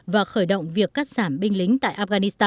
và khởi động việc cắt giảm binh lính tại afghanistan